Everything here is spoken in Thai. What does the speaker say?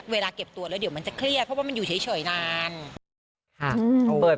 เวลาเก็บตัวแล้วเดี๋ยวมันจะเครียด